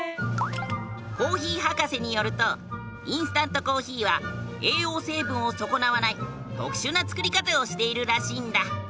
コーヒー博士によるとインスタントコーヒーは栄養成分を損なわない特殊な作り方をしているらしいんだ。